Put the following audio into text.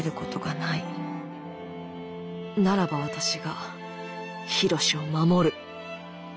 ならば私が緋炉詩を守る。